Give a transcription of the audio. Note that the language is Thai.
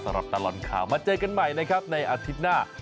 ตลอดข่าวมาเจอกันใหม่นะครับในอาทิตย์หน้า